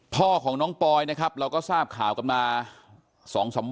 พ่อของน้องปอยนะครับเราก็ทราบข่าวกันมา๒๓วัน